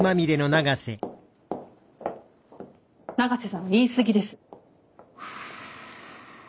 永瀬さん言い過ぎです！